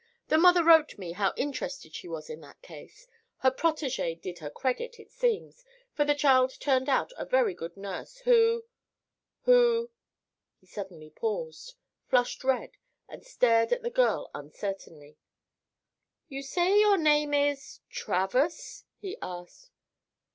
The mother wrote me how interested she was in that case. Her protege did her credit, it seems, for the child turned out a very good nurse, who—who—" He suddenly paused, flushed red and stared at the girl uncertainly. "You say your name is—Travers?" he asked.